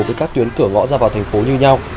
từ các tuyến cửa ngõ ra vào thành phố như nhau